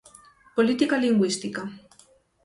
Política Lingúística.